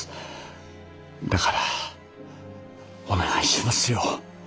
だからお願いしますよ。